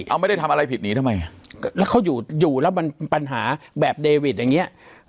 เอาไม่ได้ทำอะไรผิดหนีทำไมแล้วเขาอยู่อยู่แล้วมันปัญหาแบบเดวิดอย่างเงี้ย